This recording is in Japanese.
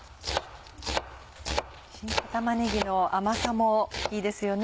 新玉ねぎの甘さもいいですよね。